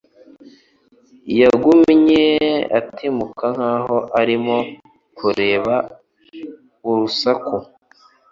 Yagumye atimuka nkaho arimo kureba urusaku